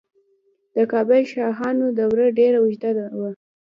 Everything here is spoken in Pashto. د کابل شاهانو دوره ډیره اوږده وه